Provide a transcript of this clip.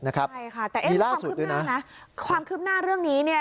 ใช่ค่ะแต่เอ๊ะความคืบหน้าเรื่องนี้